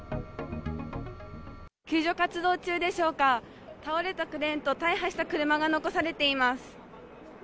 救助活動中でしょうか、倒れたクレーンと大破した車が残されています。